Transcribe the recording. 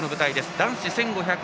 男子１５００